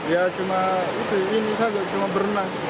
iya cuma ini saja cuma berenang